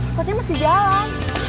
angkutnya masih jalan